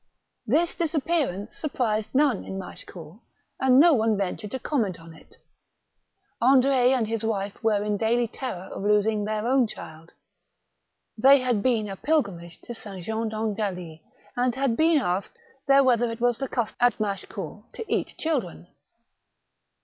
This disappearance surprised none in Machecoul, and no one ventured to comment on it. Andr6 and his wife were in daily terror of losing their own child. They had been a pilgrimage to S. Jean d'Angely, and had been asked 13—2 196 THE BOOK OF WERE WOLVES. there whether it was the custom at Machecoul to eat children.